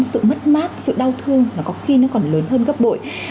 sự mất mát sự đau thương là có khi nó còn lớn hơn gấp bội